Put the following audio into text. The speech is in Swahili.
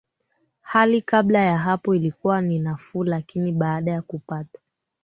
hali kabla ya hapo ilikuwa ni nafuu lakini baada ya kupata